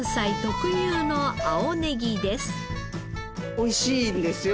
美味しいんですよ